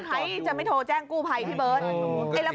ใครจะไม่โทรแจ้งกู้ภัยพี่เบิร์ต